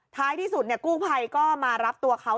ท้ายที่สุดกู้ภัยก็มารับตัวเขา